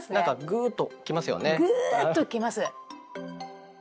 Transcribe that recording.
グーッと来ます。